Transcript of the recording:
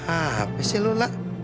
apa sih lu lah